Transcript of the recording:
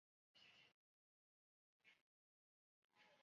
它包含了数百种发行版的资讯。